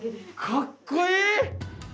かっこいい！